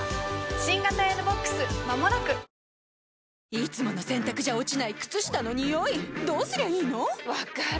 いつもの洗たくじゃ落ちない靴下のニオイどうすりゃいいの⁉分かる。